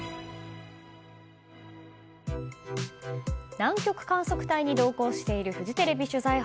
南極観測隊に同行しているフジテレビ取材班。